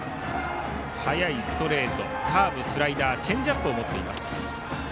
速いストレートカーブ、スライダーチェンジアップを持っています。